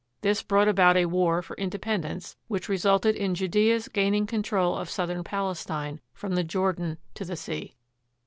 This brought about a war for independence, which resulted in Judeea's gaining control of southern Palestine, from the Jordan to the sea.